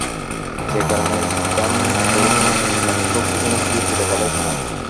যে আকারই ধারণ করুক না, শক্তিসমষ্টি চিরকালই সমান।